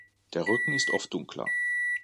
Der Rücken ist oft dunkler.